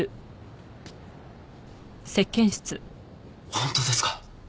本当ですか？